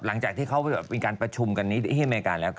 หลังจากที่เขามีการประชุมกันนี้ที่อเมริกาแล้ว